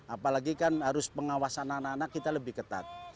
apalagi kan harus pengawasan anak anak kita lebih ketat